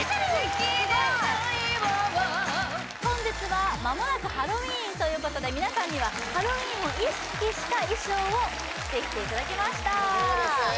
好きだと言おう本日は間もなくハロウィンということで皆さんにはハロウィンを意識した衣装を着てきていただきました